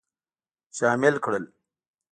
شامل کړل.